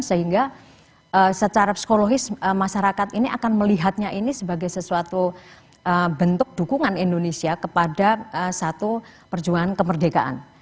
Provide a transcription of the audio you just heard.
sehingga secara psikologis masyarakat ini akan melihatnya ini sebagai sesuatu bentuk dukungan indonesia kepada satu perjuangan kemerdekaan